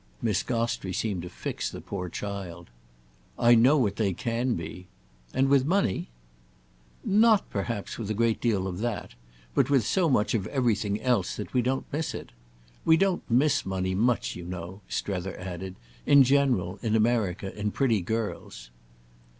Miss Gostrey seemed to fix the poor child. "I know what they can be. And with money?" "Not perhaps with a great deal of that—but with so much of everything else that we don't miss it. We don't miss money much, you know," Strether added, "in general, in America, in pretty girls."